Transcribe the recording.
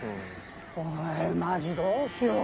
お前マジどうしよう。